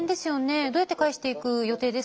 どうやって返していく予定ですか？